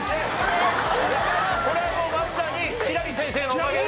これはもうまさに輝星先生のおかげで。